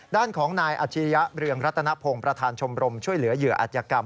ด้านของนายอาชิริยะเรืองรัตนพงศ์ประธานชมรมช่วยเหลือเหยื่ออัธยกรรม